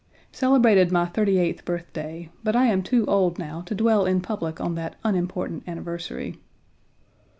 Celebrated my 38th birthday, but I am too old now to dwell in public on that unimportant anniversary.